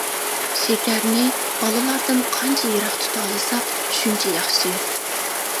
شېكەرنى بالىلاردىن قانچە يىراق تۇتالىساق شۇنچە ياخشى.